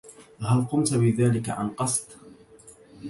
هل قمت بذلك عن قصد؟